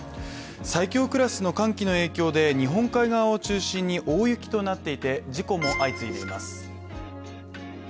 最強クラスの寒気の影響で日本海側を中心に大雪となっていて事故も相次いでいます。